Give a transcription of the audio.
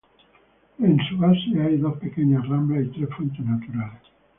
En su base hay dos pequeñas ramblas y tres fuentes naturales.